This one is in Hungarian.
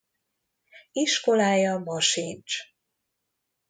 Iskolája ma sincs.